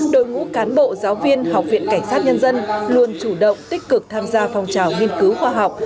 đội ngũ cán bộ giáo viên học viện cảnh sát nhân dân luôn chủ động tích cực tham gia phong trào nghiên cứu khoa học